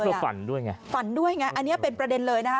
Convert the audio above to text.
เพราะเธอฝันด้วยไงฝันด้วยไงอันนี้เป็นประเด็นเลยนะ